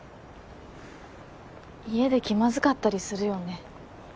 家で気まずかったりするよね